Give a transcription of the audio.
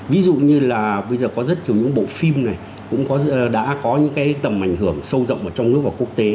ví dụ như là bây giờ có rất nhiều những bộ phim này cũng đã có những cái tầm ảnh hưởng sâu rộng ở trong nước và quốc tế